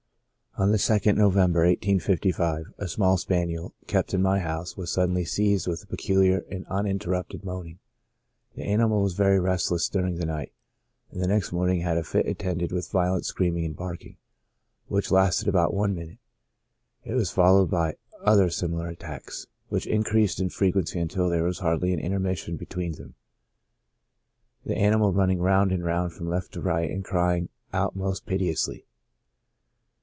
On the 2nd of November, 1855, a small spaniel, kept in my house, was suddenly seized with a peculiar and uninter rupted moaning. The animal was very restless during the night, and the next morning had a fit attended with violent screaming and barking, which lasted about one minute ; it was followed by other similar attacks, which increased in frequency until there was hardly any intermission between them, the animal running round and round from left to right, and crying out most piteously.